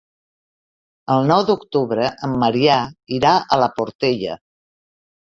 El nou d'octubre en Maria irà a la Portella.